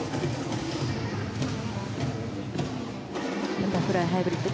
バタフライハイブリッド。